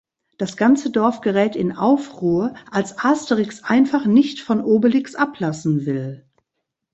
Das ganze Dorf gerät in Aufruhr, als Asterix einfach nicht von Obelix ablassen will.